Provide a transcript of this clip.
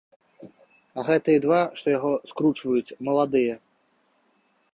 А гэтыя два, што яго скручваюць, маладыя.